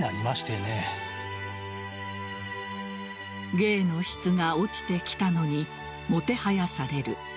芸の質が落ちてきたのにもてはやされる。